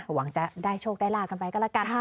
หวังจะได้โชคได้ลาบกันไปก็แล้วกัน